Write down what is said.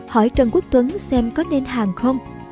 hỏi trần quốc tuấn xem có nên hàng không